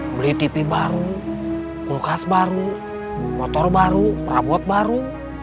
beli tv baru kulkas baru motor baru perabot baru